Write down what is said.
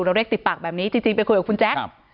เราเรียกติดปากแบบนี้จริงไปคุยกับคุณแจ๊ค